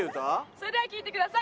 それでは聴いてください。